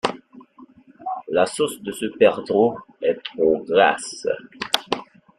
La sauce de ce perdreau est trop grasse!